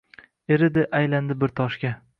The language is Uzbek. Eridi, aylandi bir toshga